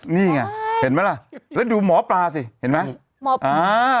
นี่ไงเห็นไหมล่ะแล้วดูหมอปลาสิเห็นไหมหมอปลา